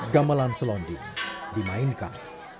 gamelan selondi dimainkan